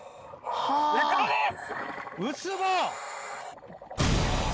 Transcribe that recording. ウツボ！